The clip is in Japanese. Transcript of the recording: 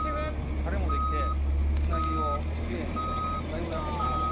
タレもできてうなぎをきれいにだいぶ焼けてきました